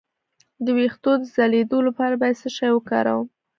د ویښتو د ځلیدو لپاره باید څه شی وکاروم؟